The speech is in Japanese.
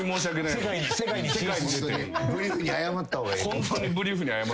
ブリーフに謝った方がいい。